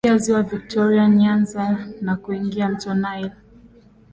huelekea ziwa Viktoria Nyanza na kuingia mto Nile